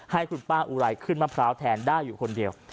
ให้คุณป้าอุไรขึ้นมะพร้าวแทนได้อยู่คนเดียว